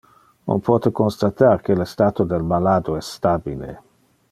On pote constatar que le stato del malado es stabile.